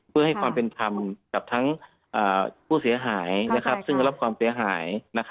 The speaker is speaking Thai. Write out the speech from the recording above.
เพื่อให้ความเป็นธรรมกับทั้งผู้เสียหายซึ่งรับความเสียหาย